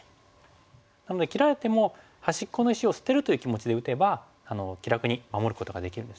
なので切られても端っこの石を捨てるという気持ちで打てば気楽に守ることができるんですね。